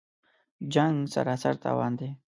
جـنګ سراسر تاوان دی